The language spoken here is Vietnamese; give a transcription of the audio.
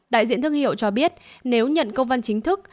đại diện thương hiệu cho biết nếu nhận công văn chính thức